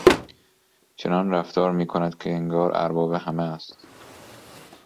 چنان رفتار میکند که انگار ارباب همه است!